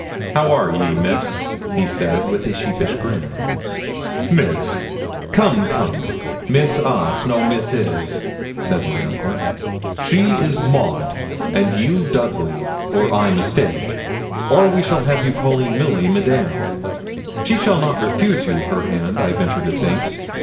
'How are ye, Miss?' he said, with a sheepish grin. 'Miss! Come, come. Miss us, no Misses,' said my uncle; 'she is Maud, and you Dudley, or I mistake; or we shall have you calling Milly, madame. She'll not refuse you her hand, I venture to think.